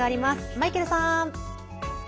マイケルさん。